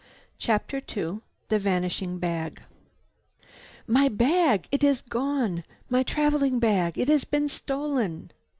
CHAPTER II THE VANISHING BAG "My bag! It is gone! My traveling bag! It has been stolen!"